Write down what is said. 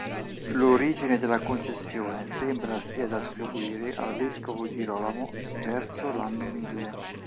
L'origine della concessione sembra sia da attribuire al vescovo Girolamo verso l'Anno Mille.